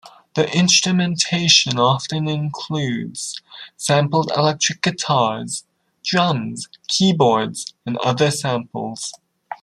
Their instrumentation often includes sampled electric guitars, drums, keyboards, and other samples.